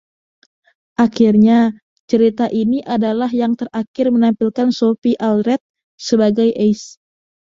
Akhirnya, cerita ini adalah yang terakhir menampilkan Sophie Aldred sebagai Ace.